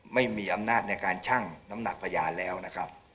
ไม่มีอำนาจในการชั่งน้ำหนักพยานแล้วนะครับ